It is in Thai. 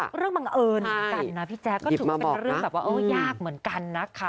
เรื่องบังเอิญเหมือนกันนะพี่แจ๊คก็ถือว่าเป็นเรื่องแบบว่าเออยากเหมือนกันนะคะ